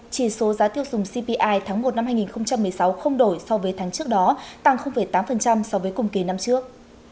chỉ số giá tiêu dùng cpi tháng một năm hai nghìn một mươi sáu không đổi so với tháng trước đó tăng tám so với cùng kỳ năm trước